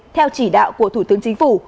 theo chỉ đạo của thủ tướng chính phủ